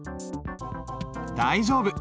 大丈夫。